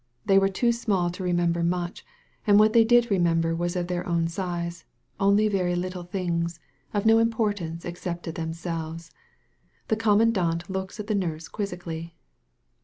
They were too small to re member much, and what they did remember was of their own size — only very little things, of no im portance except to themselves* The conmiandant looks at the nurse quizzically.